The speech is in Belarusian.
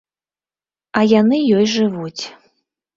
А яны ёй жывуць.